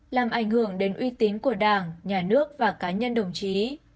làm ảnh hưởng đến uy tín của đảng nhà nước và cá nhân đồng chí